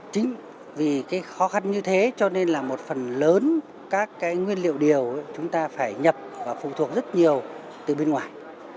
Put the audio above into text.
chính vì cái khó khăn như thế cho nên là một phần lớn các cái nguyên liệu điều chúng ta phải nhập và phụ thuộc rất nhiều từ bên ngoài